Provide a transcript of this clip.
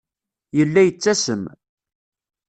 Yella yettasem.